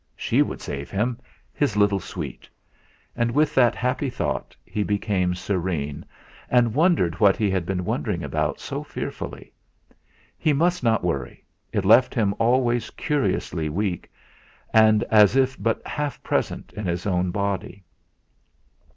She would save him his little sweet! And with that happy thought he became serene, and wondered what he had been worrying about so fearfully. He must not worry, it left him always curiously weak, and as if but half present in his own body.